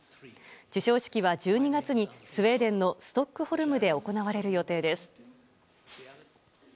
授賞式は１２月にスウェーデンのストックホルムで行われる予定です。